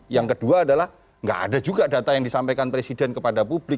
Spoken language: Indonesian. yang kedua adalah nggak ada juga data yang disampaikan presiden kepada publik